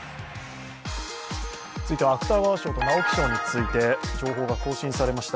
続いては芥川賞と直木賞について情報が更新されました。